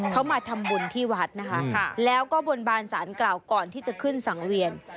เขามาทำบุญที่วัดนะคะแล้วก็บนบานสารกล่าวก่อนที่จะขึ้นสังเวียน